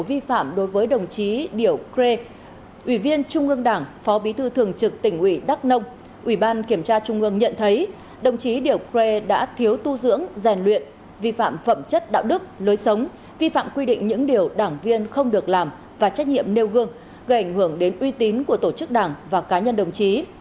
vi phạm đối với đồng chí điểu crê ủy viên trung ương đảng phó bí thư thường trực tỉnh ủy đắc nông ủy ban kiểm tra trung ương nhận thấy đồng chí điểu crê đã thiếu tu dưỡng giàn luyện vi phạm phẩm chất đạo đức lối sống vi phạm quy định những điều đảng viên không được làm và trách nhiệm nêu gương gây ảnh hưởng đến uy tín của tổ chức đảng và cá nhân đồng chí